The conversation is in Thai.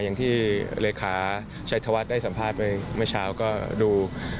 อย่างที่เลขาชัยธวัฒน์ได้สัมภาษณ์ไปเมื่อเช้าก็ดู